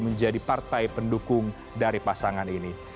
menjadi partai pendukung dari pasangan ini